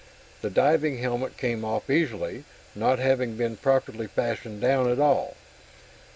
The diving helmet came off easily, not having been properly fastened down at all.